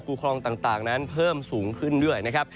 คลองต่างนั้นเพิ่มสูงขึ้นด้วยนะครับ